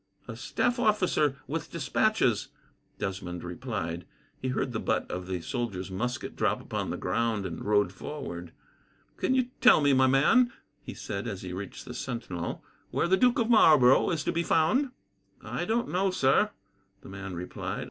"A staff officer, with despatches," Desmond replied. He heard the butt of the soldier's musket drop upon the ground, and rode forward. "Can you tell me, my man," he said as he reached the sentinel, "where the Duke of Marlborough is to be found?" "I don't know, sir," the man replied.